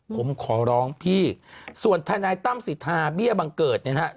ผมขอร้องพี่ส่วนทนายตั้มสิทธาเบี้ยบังเกิดเนี่ยนะครับ